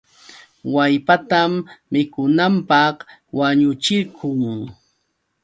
Wallpatam mikunanpaq wañuchirqun.